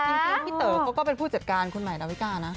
จริงพี่เต๋อก็เป็นผู้จัดการครูนายราวิกาน่ะ